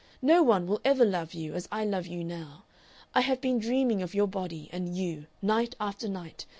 No one will ever love you as I love you now. I have been dreaming of your body and you night after night.